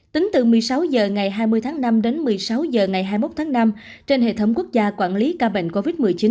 tính từ một mươi sáu h ngày hai mươi tháng năm đến một mươi sáu h ngày hai mươi một tháng năm trên hệ thống quốc gia quản lý ca bệnh covid một mươi chín